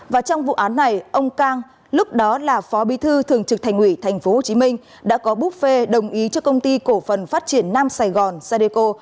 và trong vụ án này ông cang lúc đó là phó bí thư thường trực thành ủy tp hcm đã có búp phê đồng ý cho công ty cổ phần phát triển nam sài gòn sadeco